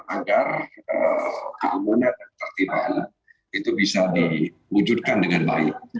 agar keunggulan tertiba tiba itu bisa diwujudkan dengan baik